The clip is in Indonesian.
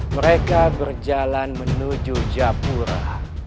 mereka berjalan menuju japura